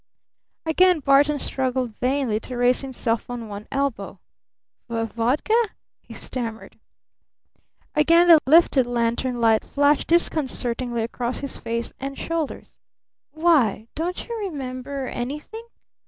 Again Barton struggled vainly to raise himself on one elbow. "Vodka?" he stammered. Again the lifted lantern light flashed disconcertingly across his face and shoulders. "Why, don't you remember anything?"